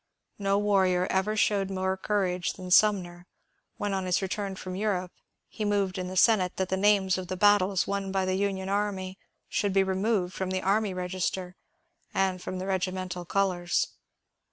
No warrior ever showed more courage than Sumner when, on his return from Europe, he moved in the Senate that the names of the battles won by the Union army should be removed from the army register and from the regimental colours.